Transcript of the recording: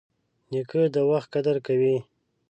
نیکه د وخت قدر کوي.